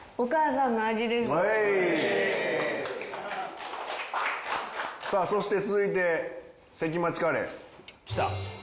ウエイ！さあそして続いて関町カレー。きた。